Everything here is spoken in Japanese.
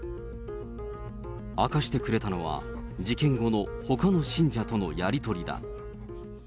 明かしてくれたのは、事件後のほかの信者とのやり取りだ。